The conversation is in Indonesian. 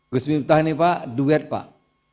gus miftah ini pak duet pak